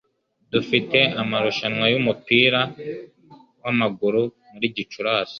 Dufite amarushanwa y'umupira w'amaguru muri Gicurasi.